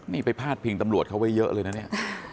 นี่ไปพาดพิงตำรวจเขาไว้เยอะเลยนะเนี่ย